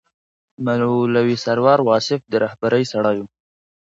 مولوي سرور واصف د رهبرۍ سړی و.